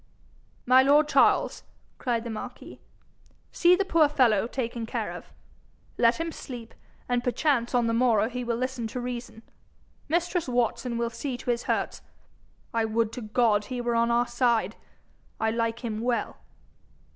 'My lord Charles,' cried the marquis, 'see the poor fellow taken care of. Let him sleep, and perchance on the morrow he will listen to reason. Mistress Watson will see to his hurts. I would to God he were on our side! I like him well.'